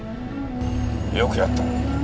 よくやった。